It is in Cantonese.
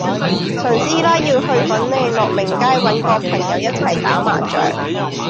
陳師奶要去粉嶺樂鳴街搵個朋友一齊打麻雀